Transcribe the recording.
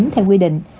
theo quy định